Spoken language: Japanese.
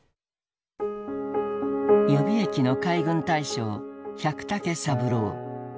予備役の海軍大将百武三郎。